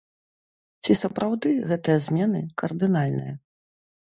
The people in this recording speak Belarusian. Ці сапраўды гэтыя змены кардынальныя?